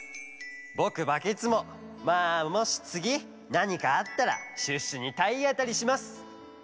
ぼくバケツもまあもしつぎなにかあったらシュッシュにたいあたりします。